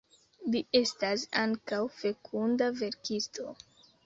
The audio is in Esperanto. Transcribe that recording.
Li estas ankaŭ fekunda verkisto.